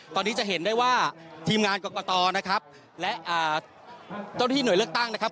ตอนนี้จะเห็นได้ว่าทีมงานกรกตนะครับและเจ้าหน้าที่หน่วยเลือกตั้งนะครับ